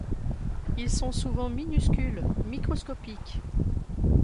Ils sont souvent minuscules, microscopiques.